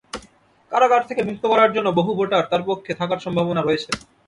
কারাগার থেকে মুক্ত করার জন্য বহু ভোটার তাঁর পক্ষে থাকার সম্ভাবনা রয়েছে।